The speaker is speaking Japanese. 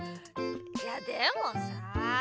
いやでもさあ。